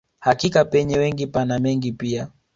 Hakika penye wengi pana mengi pia